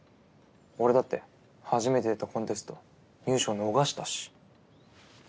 俺だって初めて出たコンテスト入賞逃したし。